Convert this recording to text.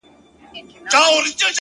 ماته د مار خبري ډيري ښې دي ـ